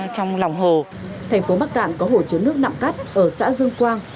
trong lòng hồ thành phố bắc cạn có hồ chứa nước nặng cắt ở xã dương quang